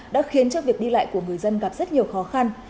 đã khiến cho việc đi lại của người dân gặp rất nhiều khó khăn